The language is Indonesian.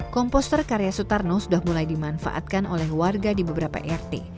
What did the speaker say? komposter karya sutarno sudah mulai dimanfaatkan oleh warga di beberapa rt